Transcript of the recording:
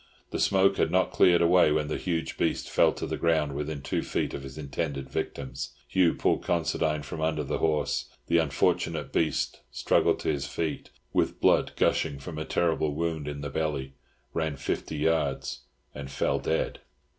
The smoke had not cleared away when the huge beast fell to the ground within two feet of his intended victims. Hugh pulled Considine from under the horse. The unfortunate beast struggled to his feet, with blood gushing from a terrible wound in the belly, ran fifty yards, and fell dead.